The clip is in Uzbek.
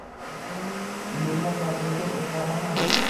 Mulla Najmiddin, o‘zlari ham…